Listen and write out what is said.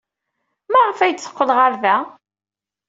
Maɣef ay d-teqqel ɣer da?